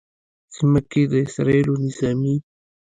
سیمه کې د اسرائیلو نظامي